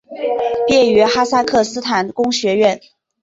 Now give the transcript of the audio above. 毕业于哈萨克斯坦工学院。